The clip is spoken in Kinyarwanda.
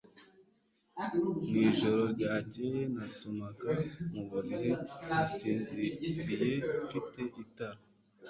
Mu ijoro ryakeye nasomaga mu buriri nasinziriye mfite itara